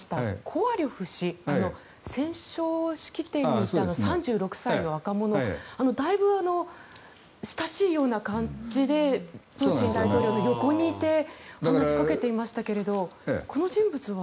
コバリョフ氏戦勝式典にいた３６歳の若者だいぶ親しいような感じでプーチン大統領の横にいて話しかけていましたけどこの人物は。